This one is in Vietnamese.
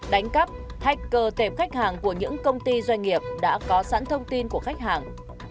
hai đánh cắp thách cờ tệp khách hàng của những công ty doanh nghiệp đã có sẵn thông tin của khách hàng